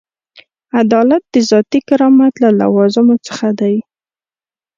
عدالت د ذاتي کرامت له لوازمو څخه دی.